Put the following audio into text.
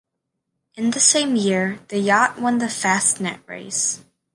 In the same year the yacht won the Fastnet Race.